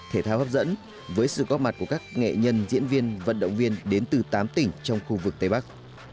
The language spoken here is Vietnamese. thể thao hấp dẫn với sự góp mặt của các nghệ nhân diễn viên vận động viên đến từ tám tỉnh trong khu vực tây bắc